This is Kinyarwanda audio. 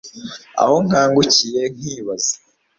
aho nkangukiye nkibaza